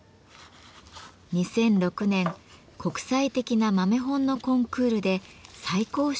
２００６年国際的な豆本のコンクールで最高賞を受賞しました。